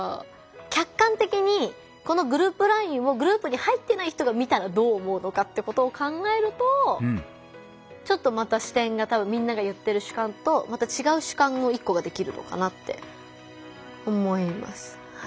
客観的にこのグループＬＩＮＥをグループに入ってない人が見たらどう思うのかってことを考えるとちょっとまた視点がみんなが言ってる主観とまた違う主観の一個ができるのかなって思います。